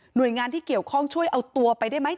โดยงานที่เกี่ยวข้องช่วยเอาตัวไปได้ไหม